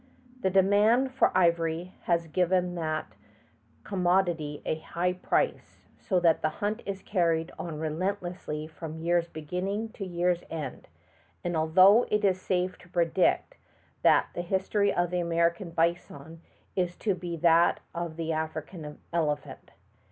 The demand for ivory has given that com modity a high price, so that the hunt is carried on relentlessly from year's beginning to year's end, and altogether it is safe to predict that the history of the American bison is to be that of the African elephant.